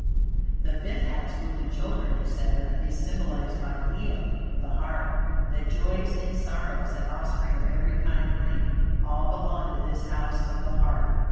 The Fifth House, ruling children, etc., is symbolized by Leo (the Heart). The joys and sorrows that offspring of every kind bring, all belong to this House of the Heart.